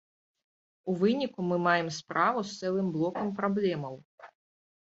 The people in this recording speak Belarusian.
У выніку мы маем справу з цэлым блокам праблемаў.